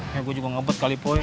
ya gue juga ngebet kali poe